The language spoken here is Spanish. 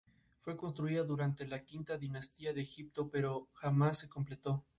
Buddy es asesinado por una flecha, y Purvis escapa.